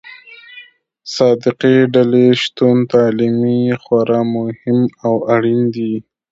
صادقې ډلې شتون تعلیمي خورا مهم او اړين دي.